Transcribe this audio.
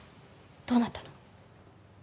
どうなったの？